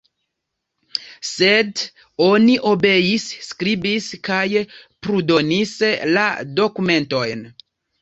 Sed oni obeis, skribis kaj pludonis la dokumentojn.